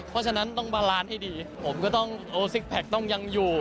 เพราะฉะนั้นต้องบาลานซ์ให้ดีผมก็ต้องโอซิกแพคต้องยังอยู่